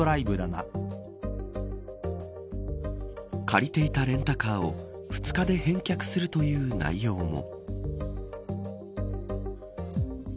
借りていたレンタカーを２日で返却するという内容も。